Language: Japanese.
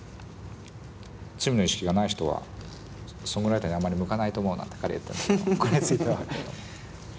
罪の意識がない人はソングライターにはあまり向かないと思うなんて彼は言ってるんだけどもこれについては。